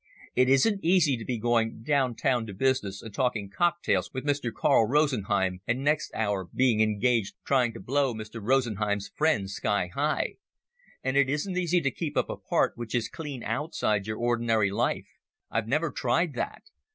It isn't easy to be going down town to business and taking cocktails with Mr Carl Rosenheim, and next hour being engaged trying to blow Mr Rosenheim's friends sky high. And it isn't easy to keep up a part which is clean outside your ordinary life. I've never tried that.